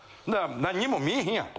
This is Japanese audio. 何にも見えへんやん。